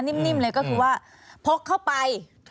นิ่มเลยก็คือว่าพกเข้าไป